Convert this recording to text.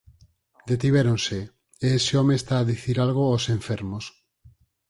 Detivéronse, e ese home está a dicir algo ós enfermos.